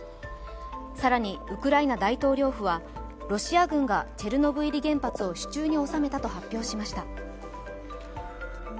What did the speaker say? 更に、ウクライナ大統領府はロシア軍がチェルノブイリ原発を手中に収めたと発表しました。